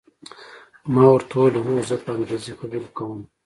ما ورته وویل: هو، زه په انګریزي خبرې کوم.